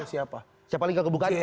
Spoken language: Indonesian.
siapa lagi gak kebukaan